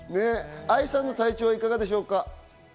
愛さんの体調はいかがでしょうか？